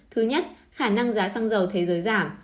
thứ nhất khả năng giá xăng dầu thế giới giảm